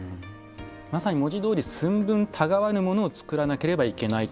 まさに文字どおり寸分たがわぬものを作らなければいけないと？